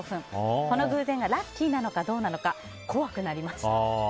この偶然がラッキーなのかどうなのか怖くなりました。